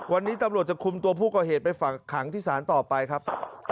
วันนี้ตำรวจจะคุมตัวผู้ก่อเหตุไปฝากขังที่ศาลต่อไปครับ